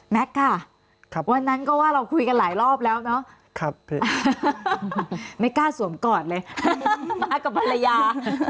ค่ะวันนั้นก็ว่าเราคุยกันหลายรอบแล้วเนาะไม่กล้าสวมกอดเลยมากับภรรยา